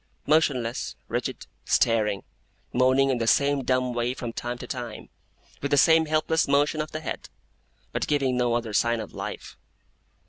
Motionless, rigid, staring; moaning in the same dumb way from time to time, with the same helpless motion of the head; but giving no other sign of life.